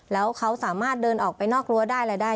แล้วเขาสามารถเดินออกไปนอกรั้วได้อะไรได้